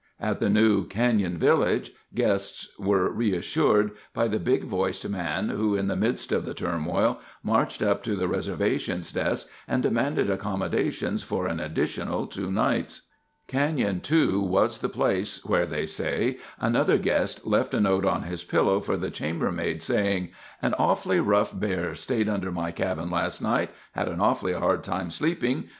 At the new Canyon Village, guests were reassured by the big voiced man who, in the midst of the turmoil, marched up to the reservations desk and demanded accommodations for an additional two nights. Canyon, too, was the place where, they say, another guest left a note on his pillow for the chambermaid, saying, "An awfully rough bear stayed under my cabin last night. Had an awfully hard time sleeping.